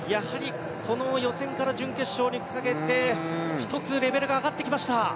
予選から準決勝にかけて１つレベルが上がってきました。